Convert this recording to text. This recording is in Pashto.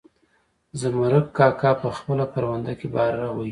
زمرک کاکا په خپله کرونده کې باره وهي.